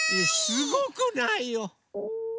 すごくないよ。